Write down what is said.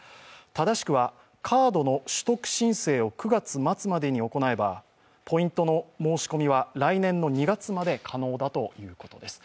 正しくは、カードの取得申請を９月末まで行えばポイントの申し込みは来年の２月まで可能だということです。